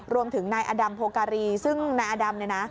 รวมถึงนายอดัมโพการีซึ่งนายอดำเนี่ยนะ